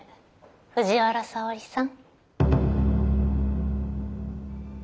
藤原沙織さん。